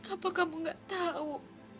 apa kamu gak tau